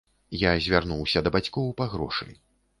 Я звярнуўся да бацькоў па грошы.